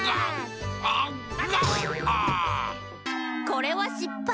これはしっぱい。